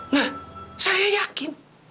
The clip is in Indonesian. nah saya yakin